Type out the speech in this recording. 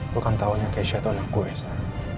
gue kan taunya keisha itu anak gue zainal